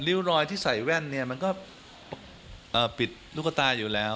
ริ้วรอยที่ใส่แว่นมันก็ปิดลูกตาอยู่แล้ว